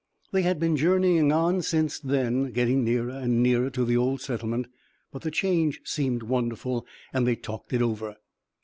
They had been journeying on since then, getting nearer and nearer to the old settlement; but the change seemed wonderful, and they talked it over.